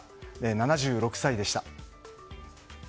７６歳でした。